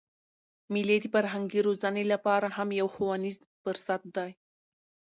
مېلې د فرهنګي روزني له پاره هم یو ښوونیز فرصت دئ.